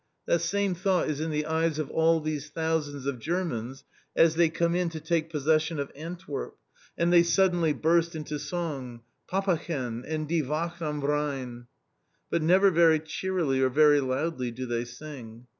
_" That same thought is in the eyes of all these thousands of Germans as they come in to take possession of Antwerp, and they suddenly burst into song, "Pappachen," and "Die Wacht am Rhein." But never very cheerily or very loudly do they sing.